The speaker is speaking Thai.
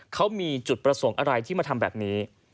เขามีจุดประสงค์อะไรที่มาทำแบบนี้